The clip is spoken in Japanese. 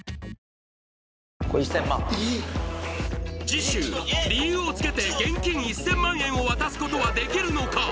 次週理由をつけて現金１０００万円を渡すことはできるのか？